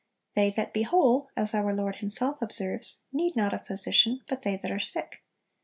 'They that be whole,' as our Lord Himself observes, 'need not a physician, but they that are sick.